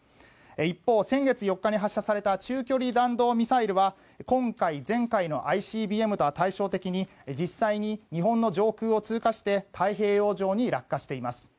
一方、先月４日に発射された中距離弾道ミサイルは今回、前回のＩＣＢＭとは対照的に実際に、日本の上空を通過して太平洋上に落下しています。